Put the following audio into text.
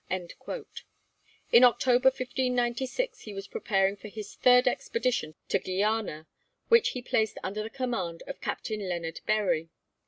In October 1596 he was preparing for his third expedition to Guiana, which he placed under the command of Captain Leonard Berrie.